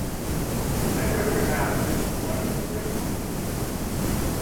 I’d rather have just one in his right mind.